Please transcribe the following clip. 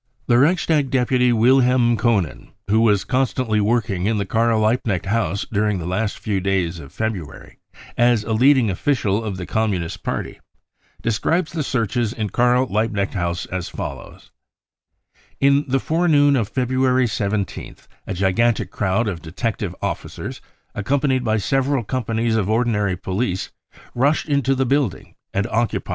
1 The Reichstag deputy Wilhelm Koenen, who was con stantly working in the Karl Liebknecht House during the last few days of February as a leading official of the Com munist Party, describes the searches in Karl Liebknecht House as follows : u In the forenoon of February 17th a gigantic crowd of detective officers, accompanied by several companies of ordinary police, rushed into the building and occupied every room.